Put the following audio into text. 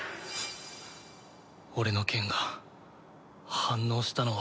俺の剣が反応したのは